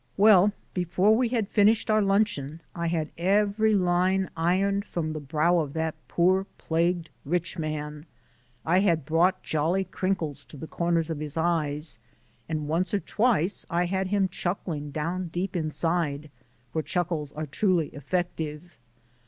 Well, before we had finished our luncheon I had every line ironed from the brow of that poor plagued rich man, I had brought jolly crinkles to the corners of his eyes, and once or twice I had him chuckling down deep inside (Where chuckles are truly effective).